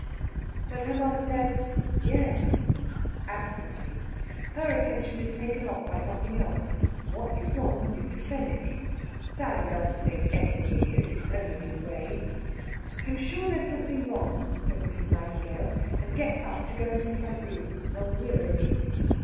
But her mother says "Yes" absently. Her attention is taken off by something else. What is wrong with Mr. Fenwick? Sally doesn't think anything is. It's only his way. "I'm sure there's something wrong," says Mrs. Nightingale, and gets up to go into the front room rather wearily.